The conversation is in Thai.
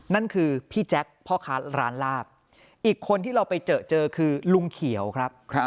นั่นคือพี่แจ๊คพ่อค้าร้านลาบอีกคนที่เราไปเจอเจอคือลุงเขียวครับ